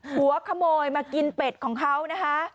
หัวขโมยมากินเป็ดของเขานะคะ